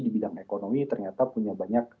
di bidang ekonomi ternyata punya banyak